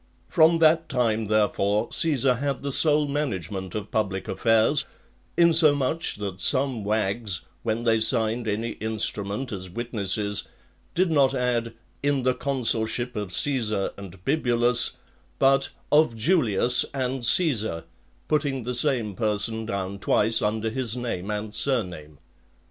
From that time, therefore, Caesar had the sole management of public affairs; insomuch that some wags, when they signed any instrument as witnesses, did not add "in the consulship of Caesar and Bibulus," but, "of Julius and Caesar;" putting the same person down twice, under his name and surname.